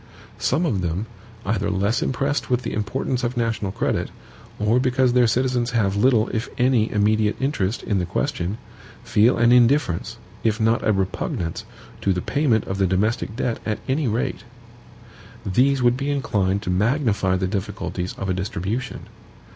Some of them, either less impressed with the importance of national credit, or because their citizens have little, if any, immediate interest in the question, feel an indifference, if not a repugnance, to the payment of the domestic debt at any rate. These would be inclined to magnify the difficulties of a distribution.